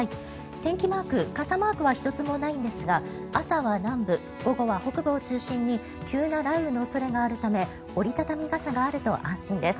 天気マーク傘マークは１つもないんですが朝は南部、午後は北部を中心に急な雷雨の恐れがあるため折り畳み傘があると安心です。